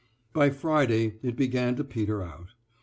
By Friday it began to peter out.